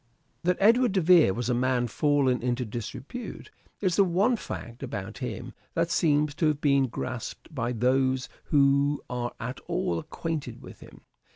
That Edward de Vere was a man fallen into disrepute is the one fact about him that seems to have been grasped by those who are at all acquainted with him.